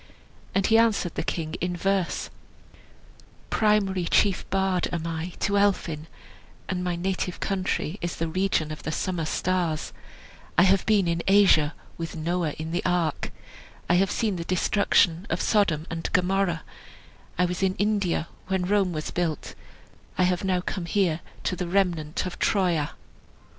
And he answered the king in verse: "Primary chief bard am I to Elphin, And my native country is the region of the summer stars; I have been in Asia with Noah in the ark, I have seen the destruction of Sodom and Gomorrah, I was in India when Rome was built, I have now come here to the remnant of Troia."